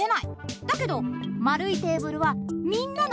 だけどまるいテーブルはみんなの顔が見えるんだ。